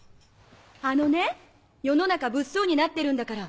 あのね世の中物騒になってるんだから。